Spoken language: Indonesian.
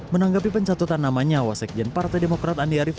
menanggapi pencatutan namanya wasekjen partai demokrat andi arief